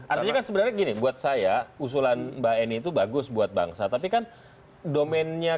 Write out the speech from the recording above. artinya kan sebenarnya gini buat saya usulan mbak eni itu bagus buat bangsa tapi kan domennya